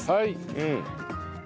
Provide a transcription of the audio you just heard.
うん。